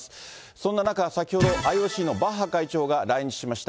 そんな中、先ほどＩＯＣのバッハ会長が来日しました。